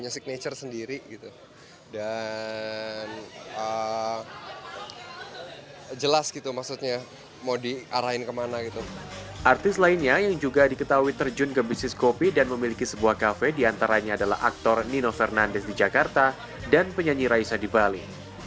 artis lainnya yang juga diketahui terjun ke bisnis kopi dan memiliki sebuah kafe diantaranya adalah aktor nino fernandes di jakarta dan penyanyi raisa di bali